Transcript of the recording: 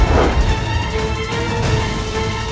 masa itu kekis